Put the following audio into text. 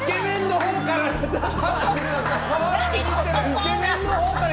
イケメンのほうから。